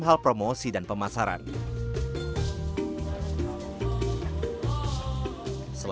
hez berempat deh aku selesa